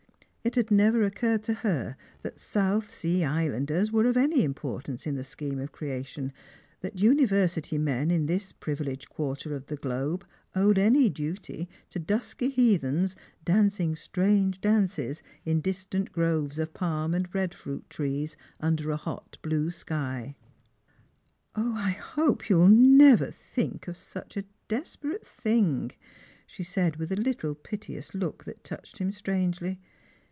It had never occurred to her that South Sea Islanders were of any importance in the scheme of creation, that univer sity men in this privileged quarter of the globe owed any duty to dusky heathens dancing strange dances in distant groves of palm and breadfruit trees under a hot blue sky. " 0, I hope you will never think of such a desperate thing," she said with a little piteous look that touched him strangely.